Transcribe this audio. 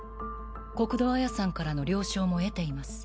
国土亜耶さんからの了承も得ています。